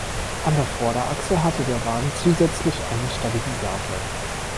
An der Vorderachse hatte der Wagen zusätzlich einen Stabilisator.